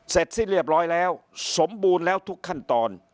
เสร็จสิ้นเรียบร้อยแล้วสมบูรณ์แล้วทุกขั้นตอน